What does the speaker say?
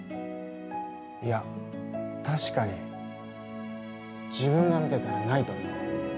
いや、確かに自分が見てたらないと思う。